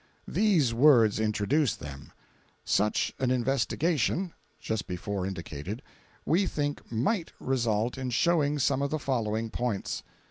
These words introduce them: 'Such an investigation [just before indicated], we think MIGHT result in showing some of the following points.